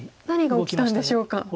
何が起きたんでしょうか。